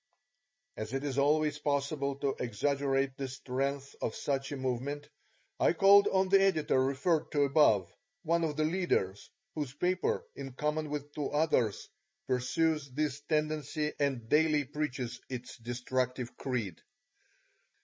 As it is always possible to exaggerate the strength of such a movement I called on the editor referred to above, one of the leaders, whose paper, in common with two others, pursues this tendency and daily preaches its destructive creed.